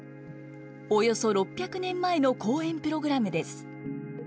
およそ６００年前の公演プログラムです。